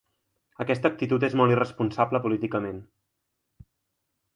Aquesta actitud és molt irresponsable políticament.